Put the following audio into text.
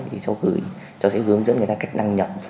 thì cháu sẽ hướng dẫn người ta cách đăng nhập